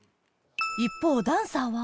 一方ダンサーは？